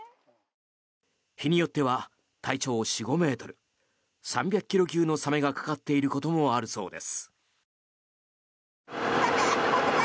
日によっては体長４５ｍ３００ｋｇ級のサメがかかっていることもあるそうです。